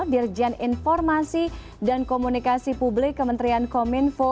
dirjen informasi dan komunikasi publik kementerian kominfo